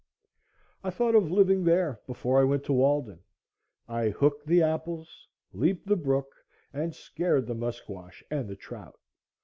I thought of living there before I went to Walden. I "hooked" the apples, leaped the brook, and scared the musquash and the trout.